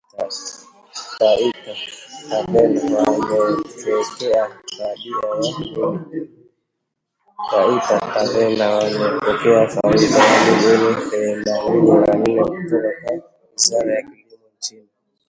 TAITA TAVETA WAMEPOKEA FIDIA YA MILIONI THEMANINI NA NNE KUTOKA KWA WIZARA YA KILIMO NCHINI